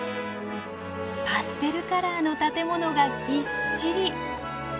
パステルカラーの建物がぎっしり。